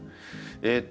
えっと